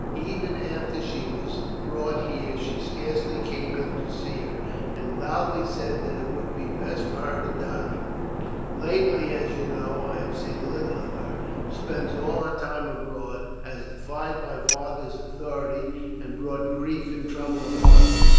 Even after she was brought here she scarce came in to see her, and loudly said that it would be best for her to die. Lately, as you know, I have seen little of her; she spends all her time abroad, has defied my father's authority; and brought grief and trouble upon him.